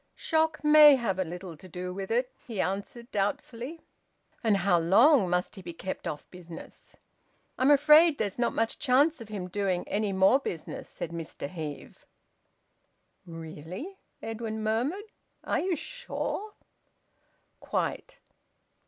"Shock may have had a little to do with it," he answered doubtfully. "And how long must he be kept off business?" "I'm afraid there's not much chance of him doing any more business," said Mr Heve. "Really!" Edwin murmured. "Are you sure?" "Quite."